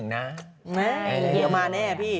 ใช่เหี่ยวมาแน่พี่